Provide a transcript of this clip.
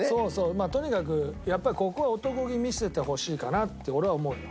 まあとにかくやっぱりここはおとこ気見せてほしいかなって俺は思うよ